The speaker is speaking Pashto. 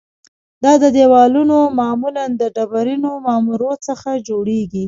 دا دیوالونه معمولاً د ډبرینو معمورو څخه جوړیږي